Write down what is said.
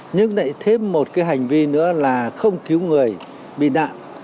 nhưng lại thêm một cái hành vi nữa là không cứu người bị nạn